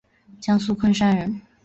江苏昆山人。